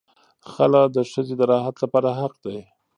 خلع د ښځې د راحت لپاره حق دی.